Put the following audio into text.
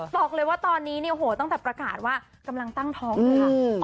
บอกเลยว่าตอนนี้เนี่ยโอ้โหตั้งแต่ประกาศว่ากำลังตั้งท้องเลยค่ะ